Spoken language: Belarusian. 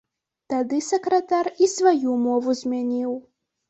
Тады сакратар і сваю мову змяніў.